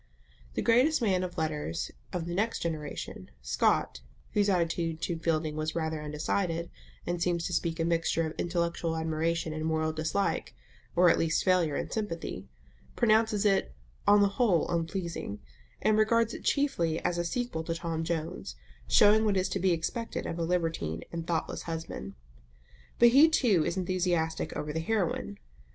The greatest man of letters of the next generation, Scott (whose attitude to Fielding was rather undecided, and seems to speak a mixture of intellectual admiration and moral dislike, or at least failure in sympathy), pronounces it "on the whole unpleasing," and regards it chiefly as a sequel to Tom Jones, showing what is to be expected of a libertine and thoughtless husband. But he too is enthusiastic over the heroine.